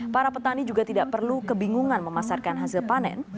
para petani juga tidak perlu kebingungan memasarkan hasil panen